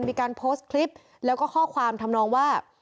มีการโพสต์คลิปแล้วก็ข้อความทำนองว่า